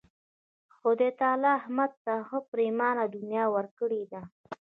خدای تعالی احمد ته ښه پرېمانه دنیا ورکړې ده.